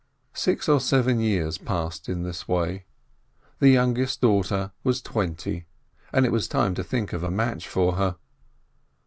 Six or seven years passed in this way; the youngest daughter was twenty, and it was time to think of a match for her.